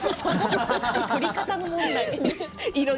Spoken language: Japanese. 撮り方の問題。